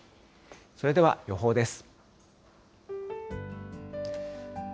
それでは予報です。